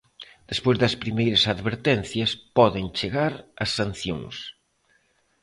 Despois das primeiras advertencias, poden chegar as sancións.